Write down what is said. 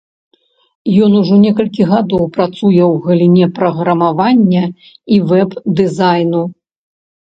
Ён ужо некалькі гадоў працуе ў галіне праграмавання і вэб-дызайну.